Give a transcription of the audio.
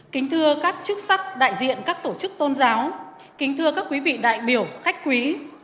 kính thưa các chức sắc đại diện các tổ chức tôn giáo kính thưa các quý vị đại biểu khách quý